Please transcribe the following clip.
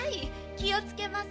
気をつけます。